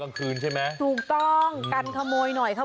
โอ้สรุปไม่เข้าเลยนะ